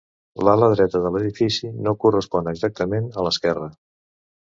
L'ala dreta de l'edifici no correspon exactament a l'esquerra.